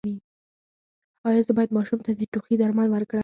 ایا زه باید ماشوم ته د ټوخي درمل ورکړم؟